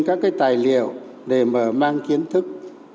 các cái tài liệu để mở mang kiến thức